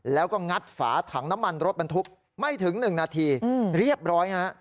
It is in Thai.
แล้วก็งัดฝาถังน้ำมันรถบรรทุกไม่ถึง๑นาทีเรียบร้อยฮะ